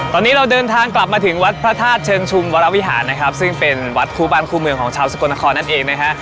ตอนนี้เราเดินทางกลับมาถึงวัดพระธาตุเชิงชุมวรวิหารนะครับซึ่งเป็นวัดคู่บ้านคู่เมืองของชาวสกลนครนั่นเองนะฮะ